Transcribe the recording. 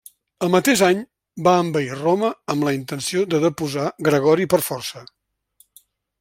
El mateix any va envair Roma amb la intenció de deposar Gregori per força.